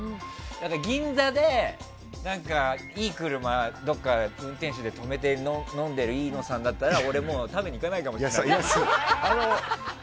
銀座で飲んでる飯野さんだったら、俺、もう食べに行かないかもしれない。